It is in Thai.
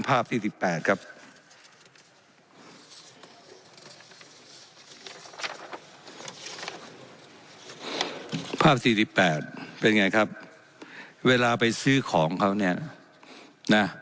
ภาพสี่สิบแปดเป็นไงครับเวลาไปซื้อของเขาเนี้ยน่ะ